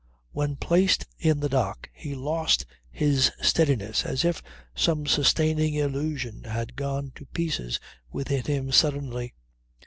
When placed in the dock he lost his steadiness as if some sustaining illusion had gone to pieces within him suddenly.